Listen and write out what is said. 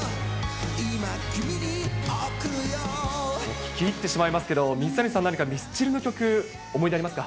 聴き入ってしまいますけど、水谷さん、何かミスチルの曲、思い出ありますか？